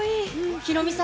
ヒロミさん